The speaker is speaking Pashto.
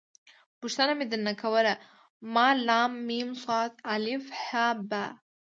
پوښتنه مې در نه کوله ما …ل …م ص … ا .. ح… ب.